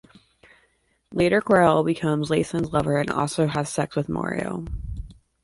Later, Querelle becomes Lysiane's lover, and also has sex with Mario.